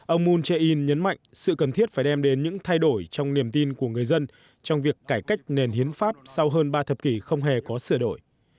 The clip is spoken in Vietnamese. ông moon jae in nhấn mạnh sự cần thiết phải đem đến những thay đổi trong niềm tin của người dân trong việc cải cách nền hiến pháp sau hơn ba thập kỷ không hề có sửa đổi